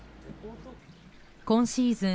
今シーズン